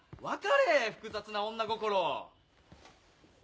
分かれ複雑な女心。